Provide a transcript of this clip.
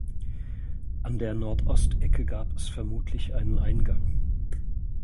An der Nordostecke gab es vermutlich einen Eingang.